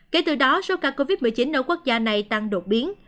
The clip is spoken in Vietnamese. kể từ đó số ca covid một mươi chín ở quốc gia này tăng đột biến